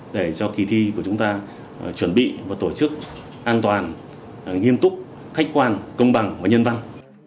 để cho kỳ thi của chúng ta chuẩn bị và tổ chức an toàn nghiêm túc khách quan công bằng và nhân văn